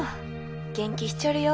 元気しちょるよ。